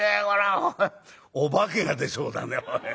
お化けが出そうだねおい。